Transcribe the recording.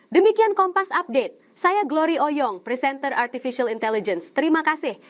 demikian kompas update saya glory oyong presenter artificial intelligence terima kasih